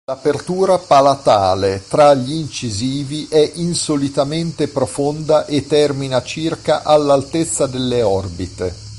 L'apertura palatale tra gli incisivi è insolitamente profonda e termina circa all'altezza delle orbite.